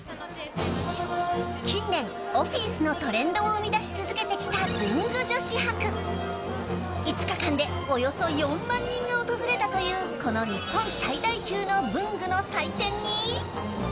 近年、オフィスのトレンドを生み出し続けてきた文具女子博５日間でおよそ４万人が訪れたというこの日本最大級の文具の祭典に。